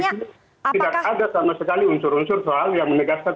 tidak ada sama sekali unsur unsur soal yang menegaskan